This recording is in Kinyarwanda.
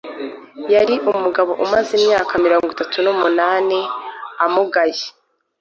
Yari umugabo umaze imvaka mirongo itatu n'umunani amugaye.